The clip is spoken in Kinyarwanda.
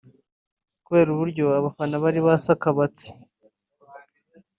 kubera uburyo abafana bari basakabatse